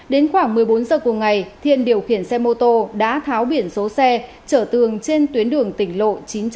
đến khoảng một mươi bốn giờ của ngày thiên điều khiển xe mô tô đã tháo biển số xe trở tường trên tuyến đường tỉnh lộ chín trăm linh năm